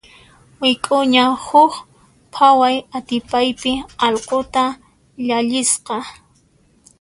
Wik'uña huk phaway atipaypi allquta llallisqa.